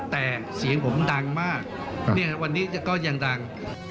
แต่เสียงผมดังมากวันนี้ก็ยังดัง